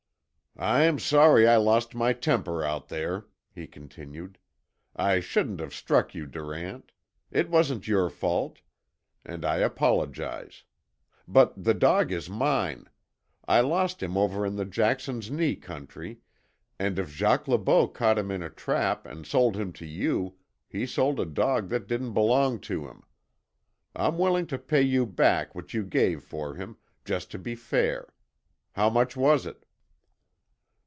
"I'm sorry I lost my temper out there," he continued. "I shouldn't have struck you, Durant. It wasn't your fault and I apologize. But the dog is mine. I lost him over in the Jackson's Knee country, and if Jacques Le Beau caught him in a trap, and sold him to you, he sold a dog that didn't belong to him. I'm willing to pay you back what you gave for him, just to be fair. How much was it?"